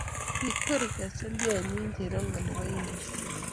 kikwer cheselyenye cherongo nebo Indies